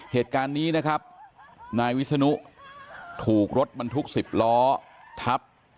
เหตุการณ์นี้นะครับนายวิศนุถูกรถบรรทุก๑๐ล้อทับ